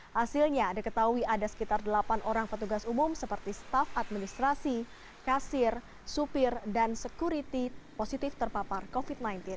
hasilnya diketahui ada sekitar delapan orang petugas umum seperti staff administrasi kasir supir dan sekuriti positif terpapar covid sembilan belas